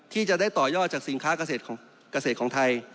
ที่จะได้ต่อยอดจากสินค้าเกษตรของไทย